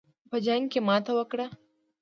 په جنګ کې ماته وکړه.